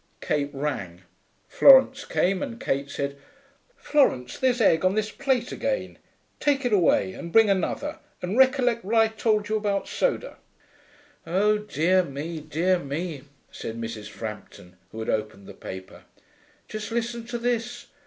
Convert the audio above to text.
Kate rang. Florence came and Kate said, 'Florence, there's egg on this plate again. Take it away and bring another, and recollect what I told you about soda.' 'Oh dear me, dear me,' said Mrs. Frampton, who had opened the paper. 'Just listen to this.